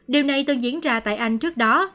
điều này từng diễn ra tại anh trước đó